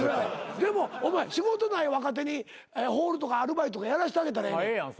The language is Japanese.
でもお前仕事ない若手にホールとかアルバイトやらしてあげたらええねん。